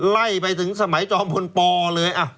ไล่ไปถึงสมัยจอมพลปเลย